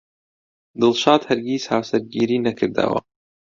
دڵشاد هەرگیز هاوسەرگیری نەکردەوە.